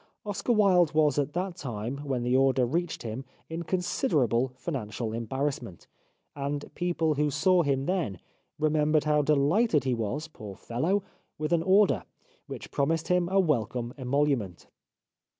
Oscar Wilde was at that time when the order reached him in considerable financial embarrassment, and people who saw him then, remember how dehghted he was, poor fellow,, with an order, which promised him a welcome emolument.